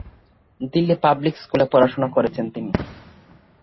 Delhi public স্কুলে পড়াশোনা করেছেন তিনি।